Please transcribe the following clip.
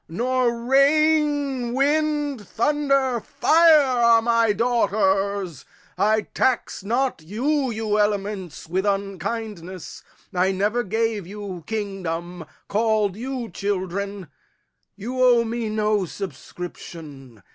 Nor rain, wind, thunder, fire are my daughters. I tax not you, you elements, with unkindness. I never gave you kingdom, call'd you children, You owe me no subscription.